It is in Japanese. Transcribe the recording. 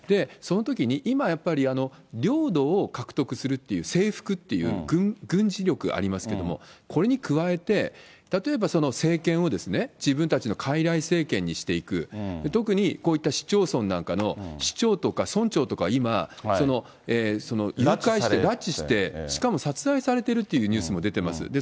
そのときに今やっぱり領土を獲得するっていう、征服っていう、軍事力ありますけれども、これに加えて、例えば、政権を自分たちのかいらい政権にしていく、特にこういった市町村なんかの、市長とか村長とか今、誘拐して、拉致して、しかも殺害されてるっていうニュースも出てます。